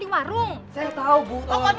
biar soleh bantu ya